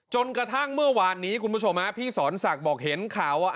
จนกระทั่งเมื่อวานนี้คุณผู้ชมพี่สอนศักดิ์บอกเห็นข่าวว่า